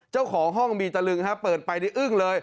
เจ้าของห้องมีตะลึงฮะเปิดไปนี่อึ้งเลย